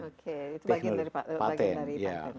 oke itu bagian dari target